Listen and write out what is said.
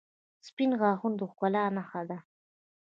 • سپین غاښونه د ښکلا نښه ده.